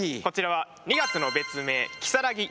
こちらは２月の別名如月。